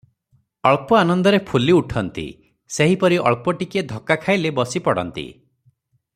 ଅଳ୍ପ ଆନନ୍ଦରେ ଫୁଲି ଉଠନ୍ତି, ସେହିପରି ଅଳ୍ପ ଟିକିଏ ଧକା ଖାଇଲେ ବସି ପଡନ୍ତି ।